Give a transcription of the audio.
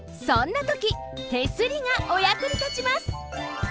そんなとき手すりがおやくにたちます！